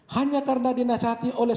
hanya karena dinasihati oleh